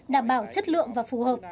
đảm bảo chất lượng và phù hợp